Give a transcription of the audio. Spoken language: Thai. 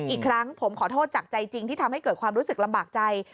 อีกครั้งผมขอโทษจากใจจริงที่ทำให้เกิดความรู้สึกลำบากใจ